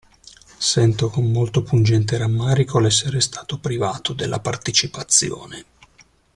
Sento con molto pungente rammarico l'essere stato privato della partecipazione.